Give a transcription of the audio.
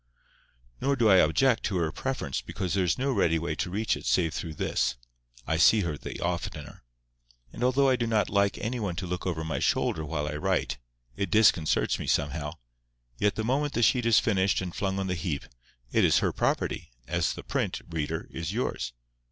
Nor do I object to her preference because there is no ready way to reach it save through this: I see her the oftener. And although I do not like any one to look over my shoulder while I write—it disconcerts me somehow—yet the moment the sheet is finished and flung on the heap, it is her property, as the print, reader, is yours.